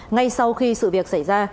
ngay sau khi sự việc xảy ra